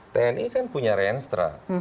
tni kan punya renstra